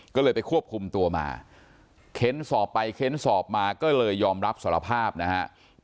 ก็เลยไปควบคุมตัวมาเค้นสอบไปเค้นสอบมาก็เลยยอมรับสารภาพนะฮะ